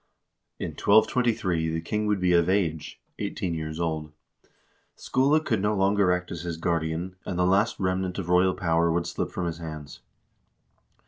In 1223 the king would be of age (eighteen years old) ; Skule could no longer act as his guardian, and the last remnant of royal power would slip from his hands.